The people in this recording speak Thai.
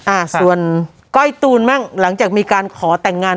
อ่าส่วนก้อยตูนบ้างหลังจากมีการขอแต่งงาน